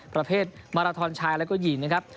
ประเภทมาราทอนชายและก็หญิง